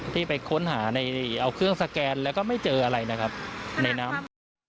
ที่ไปค้นหาในเอาเครื่องสแกนแล้วก็ไม่เจออะไรนะครับในน้ำ